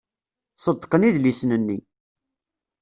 Ṣeddqen idlisen-nni.